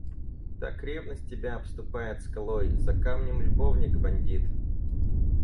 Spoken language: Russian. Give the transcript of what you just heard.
Так ревность тебя обступает скалой — за камнем любовник бандит.